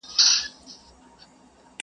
لاره ورکه سوه له سپي او له څښتنه٫